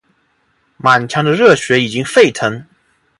满腔的热血已经沸腾，